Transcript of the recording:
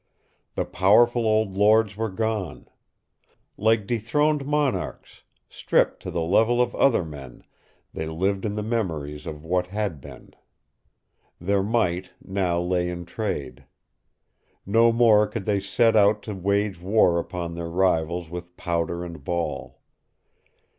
The powerful old lords were gone. Like dethroned monarchs, stripped to the level of other men, they lived in the memories of what had been. Their might now lay in trade. No more could they set out to wage war upon their rivals with powder and ball.